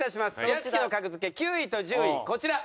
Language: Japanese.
屋敷の格付け９位と１０位こちら。